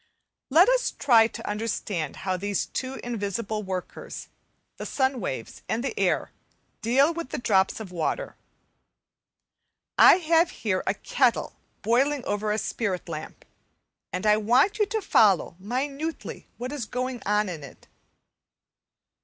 Let us try to understand how these two invisible workers, the sun waves and the air, deal with the drops of water. I have here a kettle (Fig. 18, p. 76) boiling over a spirit lamp, and I want you to follow minutely what is going on in it.